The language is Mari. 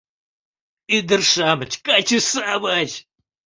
Ӱдыр-шамыч, каче-шамыч